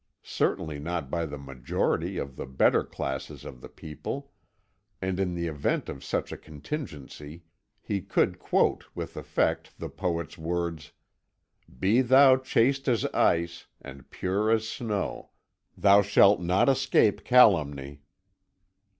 Certainly not by the majority of the better classes of the people; and in the event of such a contingency, he could quote with effect the poet's words: "Be thou chaste as ice, and pure as snow, thou shalt not escape calumny."